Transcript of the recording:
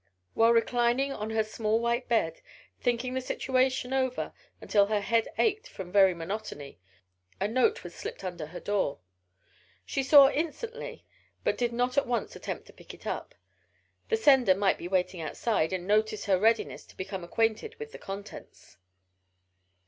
While reclining on her small white bed, thinking the situation over until her head ached from very monotony, a note was slipped under her door. She saw it instantly but did not at once attempt to pick it up the sender might be waiting outside and notice her readiness to become acquainted with the contents.